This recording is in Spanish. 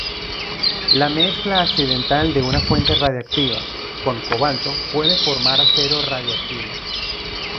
La mezcla accidental de una fuente radiactiva con cobalto puede formar acero radiactivo.